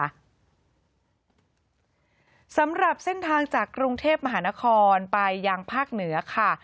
สำหรับเส้นทางจากกรุงเทพมหานครไปยังภาคเหนือค่ะ